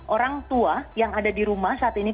orang tua yang ada di rumah saat ini